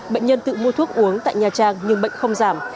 bệnh nhân tự mua thuốc uống tại nha trang nhưng bệnh không giảm